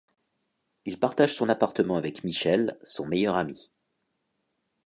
Il partage son appartement avec Michel, son meilleur ami.